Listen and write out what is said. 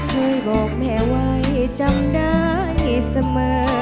เคยบอกแม่ไว้จำได้เสมอ